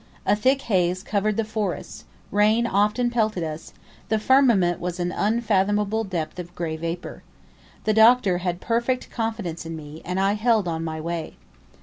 A thick haze covered the forests; rain often pelted us; the firmament was an unfathomable depth of grey vapour. The Doctor had perfect confidence in me, and I held on my way.